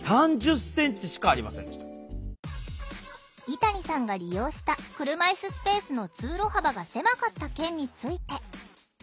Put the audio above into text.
井谷さんが利用した車いすスペースの通路幅が狭かった件について。